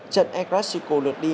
trận el clasico lượt đi